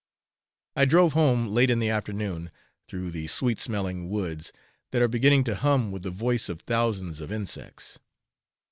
I drove home, late in the afternoon, through the sweet smelling woods, that are beginning to hum with the voice of thousands of insects.